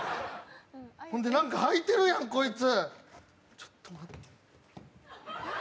ほんで何かはいてるやん、こいつ。